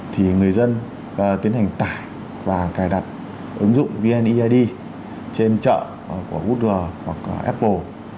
thì người dân tiến hành tải và cài đặt ứng dụng vneid trên chợ của gooder hoặc apple